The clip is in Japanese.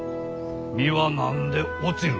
実は何で落ちる？